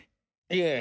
いえ。